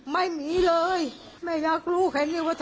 มันมีแม่ด้วยมันมีแม่ด้วย